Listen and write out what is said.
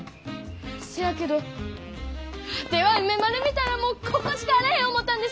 せやけどワテは梅丸見たらもうここしかあらへん思たんです！